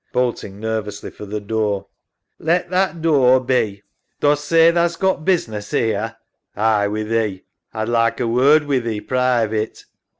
[Bolting nervously for the door. SARAH. Let that door be. Dost say tha's got business 'ere? SAM. Aye, wi' thee. A'd like a word wi' thee private.